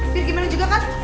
lagi gimana juga kan